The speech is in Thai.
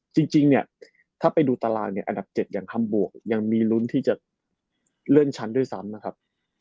จริงเนี่ยถ้าไปดูตารางเนี่ยอันดับ๗อย่างคำบวกยังมีลุ้นที่จะเลื่อนชั้นด้วยซ้ำนะครับ